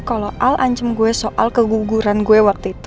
kalau al ancem gue soal keguguran gue waktu itu